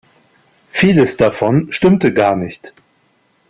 Vieles davon stimmte gar nicht.